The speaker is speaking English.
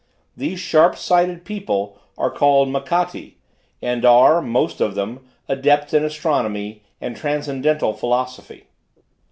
These sharp sighted people are called Makkati, and are, most of them, adepts in astronomy and transcendental philosophy.